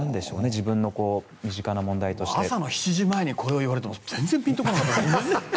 自分の身近な問題として朝の７時前にこれを言われても全然ぴんと来ない。